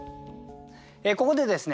ここでですね